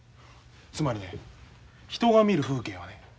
つまりね人が見る風景はね